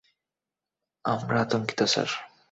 আমরা আতঙ্কিত, স্যার।